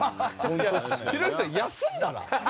ひろゆきさん休んだら？